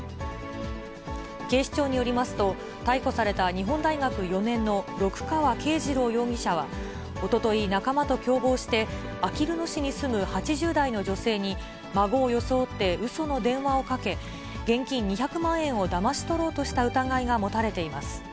警視庁によりますと、逮捕された日本大学４年の六川恵二朗容疑者は、おととい、仲間と共謀して、あきる野市に住む８０代の女性に、孫を装って、うその電話をかけ、現金２００万円をだまし取ろうとした疑いが持たれています。